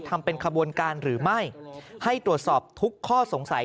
ทำเป็นขบวนการหรือไม่ให้ตรวจสอบทุกข้อสงสัย